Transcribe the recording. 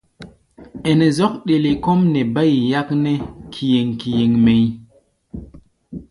Ɛnɛ zɔ́k ɗele kɔ́ʼm nɛ bá yi yáknɛ́ kíéŋ-kíéŋ mɛʼí̧.